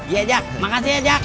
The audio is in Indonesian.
iya jak terima kasih ya jak